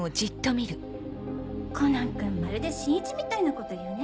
コナン君まるで新一みたいなこと言うね。